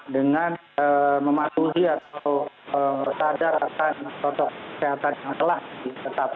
dengan mematuhi atau mengerti rata rata protokol kesehatan yang telah disetapkan